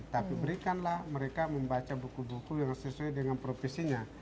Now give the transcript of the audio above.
tapi berikanlah mereka membaca buku buku yang sesuai dengan profesinya